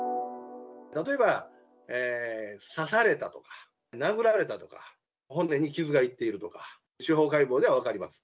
例えば刺されたとか、殴られたとか、骨に傷がいっているとか、司法解剖では分かります。